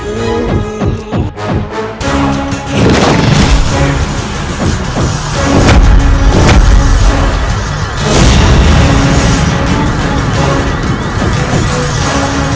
aku akan menangkapmu